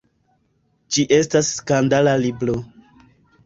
Ĝi estas skandala libro.